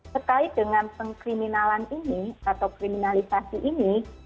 terkait dengan pengkriminalan ini atau kriminalisasi ini